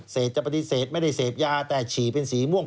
จะปฏิเสธไม่ได้เสพยาแต่ฉี่เป็นสีม่วง